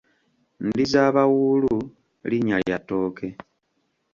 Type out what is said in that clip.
Ndizabawuulu linnya lya ttooke.